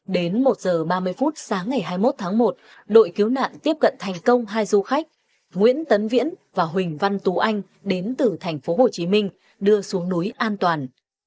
đến một h ba mươi phút sáng ngày hai mươi một tháng một đội cứu nạn tiếp cận thành công hai du khách nguyễn tấn viễn và huỳnh văn tú anh đến từ thành phố hồ chí minh đưa xuống núi an toàn